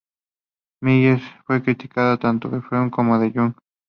Miller fue crítica tanto de Freud como de Jung.